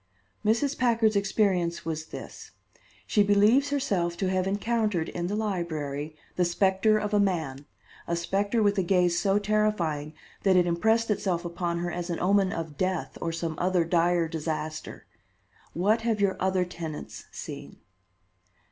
"Mrs. Packard's experience was this. She believes herself to have encountered in the library the specter of a man; a specter with a gaze so terrifying that it impressed itself upon her as an omen of death, or some other dire disaster. What have your other tenants seen?"